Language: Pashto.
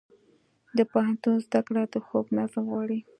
د پوهنتون زده کړه د خوب نظم غواړي.